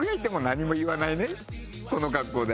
この格好で。